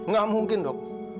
gak mungkin dok